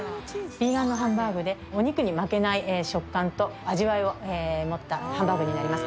ビーガンのハンバーグでお肉に負けない食感と味わいを持ったハンバーグになります。